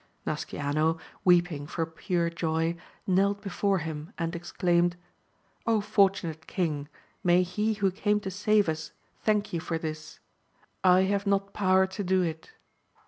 Nasciano, weeping for pure joy, knelt before him, and exclaimed, fortunate king ! may he who came to save us thank you for this ! I have not power to do it.